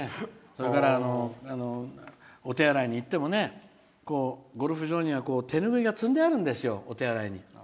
それからお手洗いに行ってもゴルフ場には手拭いが積んであるんですよ。